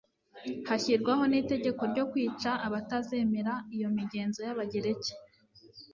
hashyirwaho n'itegeko ryo kwica abatazemera iyo migenzo y'abagereki